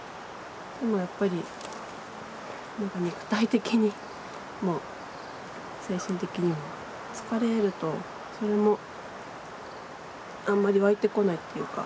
でもやっぱり肉体的にも精神的にも疲れるとそれもあんまり湧いてこないっていうか。